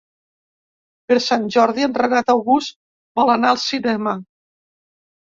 Per Sant Jordi en Renat August vol anar al cinema.